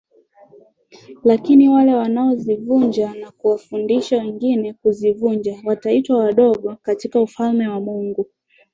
Lakini wale wanaozivunja na kuwafundisha wengine kuzivunja wataitwa wadogo katika ufalme wa Mungu